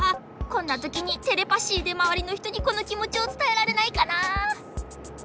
こんなときにテレパシーでまわりのひとにこのきもちをつたえられないかな。